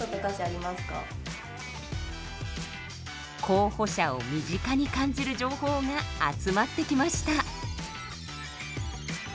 候補者を身近に感じる情報が集まってきました。